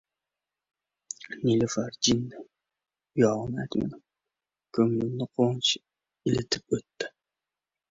Nilufar... jinni... - uyog‘ini aytmadim. Ko‘nglimni quvonch ilitib o‘tdi.